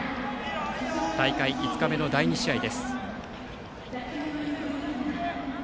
大会５日目の第２試合です。